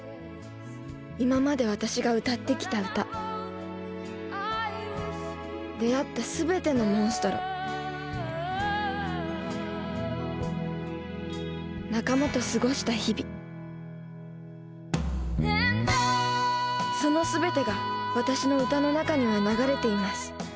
今まで私が歌ってきた歌出会ったすべてのモンストロ仲間と過ごした日々そのすべてが私の歌の中には流れています。